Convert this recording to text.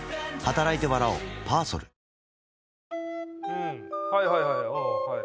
うんはいはいはいうんはい。